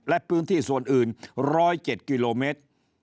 และพื้นที่ส่วนอื่น๑๐๗กิโลเมตร